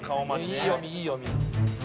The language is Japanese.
いい読みいい読み。